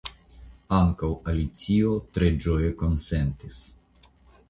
Ankaŭ Alicio tre ĝoje konsentis.